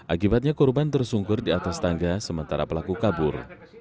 akibatnya korban tersungkur di atas tangga sementara pelaku kabur